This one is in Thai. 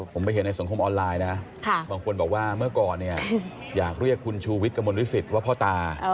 ผมก็ไปเห็นทุกคนนึงบอกว่าเมื่อก่อนอยากเรียกคุณชูวิคกับมฤษฎิว่าพ่อตา